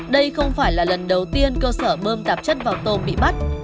đây không phải là lần đầu tiên cơ sở bơm tạp chất vào tôm bị bắt